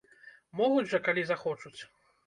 Могуць жа, калі захочуць!